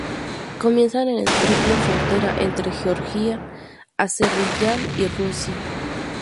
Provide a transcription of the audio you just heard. Comienza en la triple frontera entre Georgia, Azerbaiyán y Rusia.